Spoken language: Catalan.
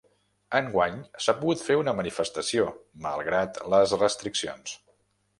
Enguany s’ha pogut fer una manifestació, malgrat les restriccions.